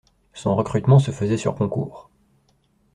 Son recrutement se faisait sur concours.